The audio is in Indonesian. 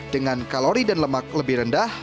dengan kalori dan lemak lebih rendah